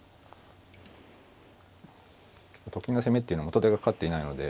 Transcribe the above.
と金が攻めっていうのは元手がかかっていないので。